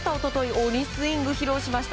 鬼スイングを披露しました。